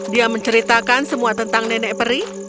dia menceritakan semua tentang nenek peri